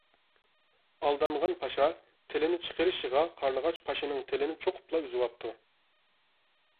ئالدانغان پاشا تىلىنى چىقىرىشىغا قارلىغاچ پاشىنىڭ تىلىنى چوقۇپلا ئۈزۈۋاپتۇ.